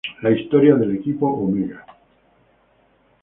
La historia del equipo Omega.